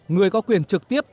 người có quyền trực tiếp